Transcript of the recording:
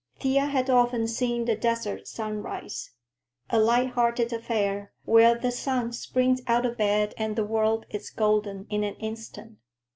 Thea had often seen the desert sunrise,—a lighthearted affair, where the sun springs out of bed and the world is golden in an instant.